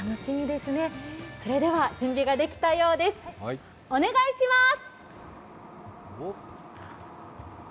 それでは準備ができたようです、お願いします。